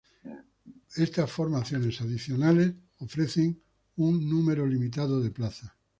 Estas formaciones adicionales ofrecen un número limitado de plazas.